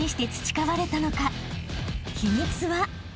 ［秘密は］